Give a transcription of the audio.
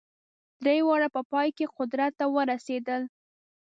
درې واړه په پای کې قدرت ته ورسېدل.